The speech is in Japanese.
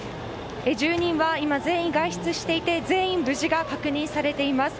住人は全員、外出していて全員無事が確認されています。